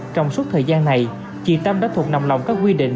trong suốt thời gian này chị tâm đã thuộc nằm lòng các quy định